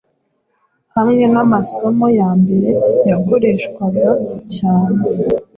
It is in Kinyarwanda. hamwe namasomo ya mbere yakoreshwaga cyane